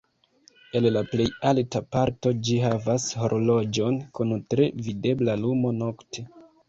En la plej alta parto ĝi havas horloĝon kun tre videbla lumo nokte.